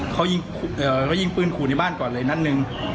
เขายิงเอ่อเขายิงปืนขู่ในบ้านก่อนเลยนัดหนึ่ง